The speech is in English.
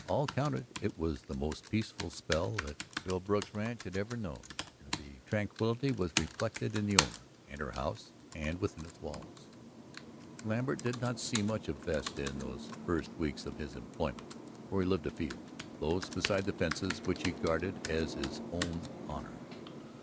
All counted, it was the most peaceful spell that Philbrook's ranch ever had known, and the tranquility was reflected in the owner, and her house, and all within its walls. Lambert did not see much of Vesta in those first weeks of his employment, for he lived afield, close beside the fences which he guarded as his own honor.